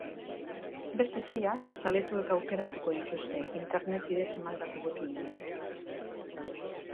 Beste seiak, zaletuek aukeratuko dituzte, internet bidez emandako botuen bidez.